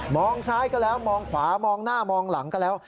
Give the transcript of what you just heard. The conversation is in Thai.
ซ้ายก็แล้วมองขวามองหน้ามองหลังก็แล้ว